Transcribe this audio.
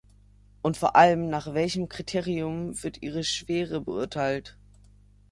Und vor allem, nach welchem Kriterium wird ihre Schwere beurteilt?